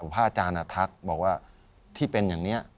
พระอาจารย์ทักบอกว่าที่เป็นอย่างนี้